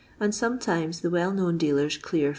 and sometimes the well known dealers clear 40